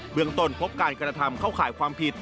เมืองต้นพบการกระทำเข้าข่ายความผิด